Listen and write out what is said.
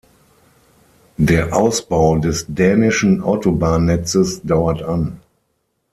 Der Ausbau des dänischen Autobahnnetzes dauert an.